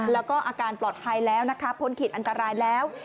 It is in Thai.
แล้วก็อาการปลอดภัยแล้วนะคะพ้นขีดอันตรายแล้ว